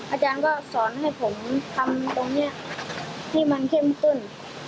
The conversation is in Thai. อาจารย์ก็สอนให้ผมทำตรงนี้ให้มันเข้มขึ้น